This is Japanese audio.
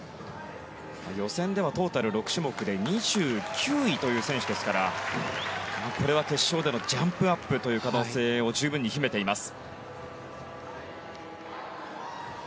予選ではトータル６種目で２９位という選手ですからこれは決勝でのジャンプアップという可能性を十分に秘めています。